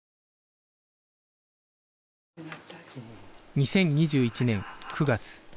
２０２１年９月